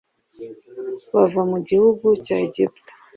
bava mu gihugu cya Egiputa